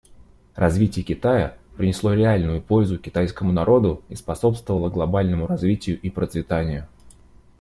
Развитие Китая принесло реальную пользу китайскому народу и способствовало глобальному развитию и процветанию.